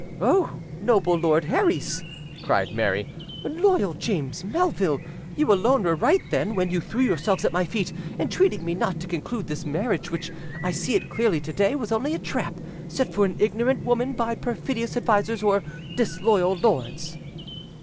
O noble Lord Herries," cried Mary, "loyal James Melville, you alone were right then, when you threw yourselves at my feet, entreating me not to conclude this marriage, which, I see it clearly to day, was only a trap set for an ignorant woman by perfidious advisers or disloyal lords."